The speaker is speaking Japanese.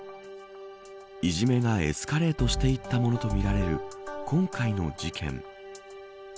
いじめがエスカレートしていったものとみられる今回の事件。